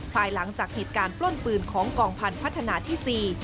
ภายหลังจากเหตุการณ์ปล้นปืนของกองพันธ์พัฒนาที่๔